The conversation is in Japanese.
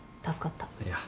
いや。